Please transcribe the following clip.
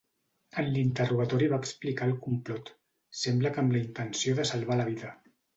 En l'interrogatori va explicar el complot, sembla que amb la intenció de salvar la vida.